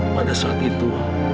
pada saat itu